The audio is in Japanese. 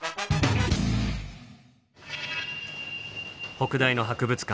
北大の博物館。